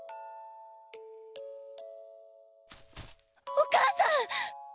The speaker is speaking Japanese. お母さん！